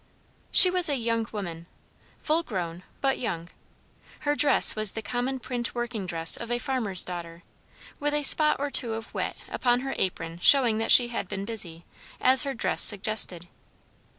She was a young woman, full grown, but young. Her dress was the common print working dress of a farmer's daughter, with a spot or two of wet upon her apron showing that she had been busy, as her dress suggested.